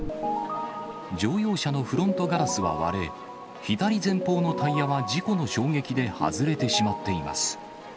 乗用車のフロントガラスは割れ、左前方のタイヤは事故の衝撃で外れてしまっています。